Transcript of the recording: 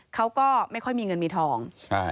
เขาก็ไม่ค่อยมีเงินมีทอง